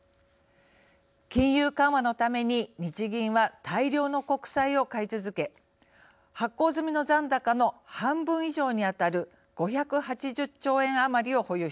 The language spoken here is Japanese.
金融緩和のために日銀は大量の国債を買い続け発行済みの残高の半分以上に当たる５８０兆円余りを保有しています。